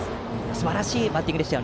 すばらしいバッティングでした。